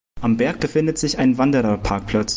Am Berg befindet sich ein Wandererparkplatz.